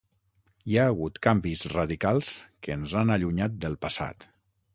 Hi ha hagut canvis radicals que ens han allunyat del passat.